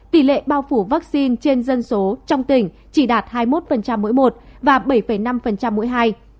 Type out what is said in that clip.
tỷ lệ bao phủ vaccine trên dân số trong tỉnh chỉ đạt hai mươi một mỗi một và bảy năm mỗi hai